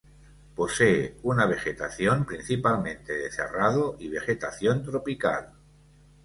Posee una vegetación principalmente de Cerrado y vegetación tropical.